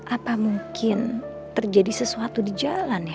apa mungkin terjadi sesuatu di jalan ya